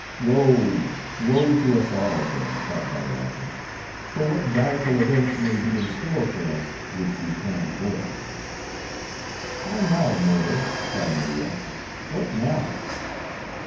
"Woe! woe to us all, then," cried Babbalanja; "for what direful events may be in store for us which we can not avoid." "How now, mortal?" cried Media; "what now?"